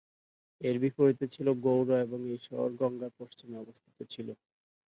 এর বিপরীতে ছিল গৌড় এবং এই শহর গঙ্গার পশ্চিমে অবস্থিত ছিল।